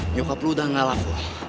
nyokap lu udah ngalah